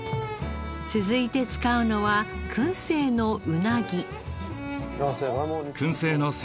続いて使うのは燻製のうなぎ。